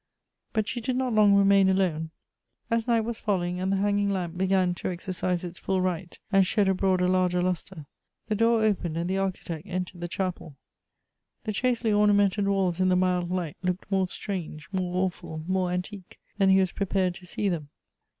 But she did not long remain alone. As night was fall ing, and the hanging lamp began to exercise its full right and shed abroad a larger lustre, the door opened and the Architect entered the chapel. The chastely ornamented walls in the mild light looked more strange, more awful, more antique, than he was prepared to see them.